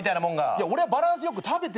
いや俺はバランス良く食べてるって。